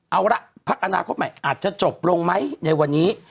เอาละพักอนาคตใหม่อาจจะจบลงไหมในวันนี้